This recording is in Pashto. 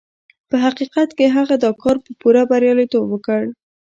په حقيقت کې هغه دا کار په پوره برياليتوب وکړ.